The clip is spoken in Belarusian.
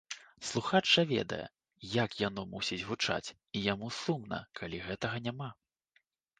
Слухач жа ведае, як яно мусіць гучаць, і яму сумна, калі гэтага няма.